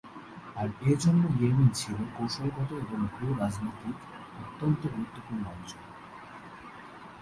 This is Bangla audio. আর এর জন্য ইয়েমেন ছিল কৌশলগত এবং ভূ-রাজনৈতিক অত্যন্ত গুরুত্বপূর্ণ অঞ্চল।